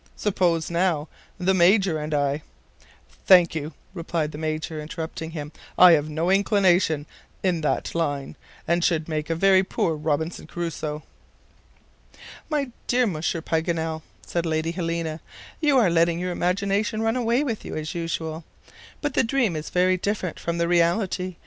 Suppose now, the Major and I " "Thank you," replied the Major, interrupting him; "I have no inclination in that line, and should make a very poor Robinson Crusoe." "My dear Monsieur Paganel," said Lady Helena, "you are letting your imagination run away with you, as usual. But the dream is very different from the reality.